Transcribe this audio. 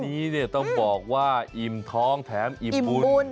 งานนี้ต้องบอกว่าอิ่มท้องแถมอิ่มบุญ